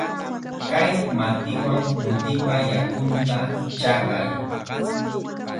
Kay matiwan mutipa yakunta chaqay.